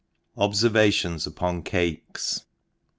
Obferaationu upon Cakes.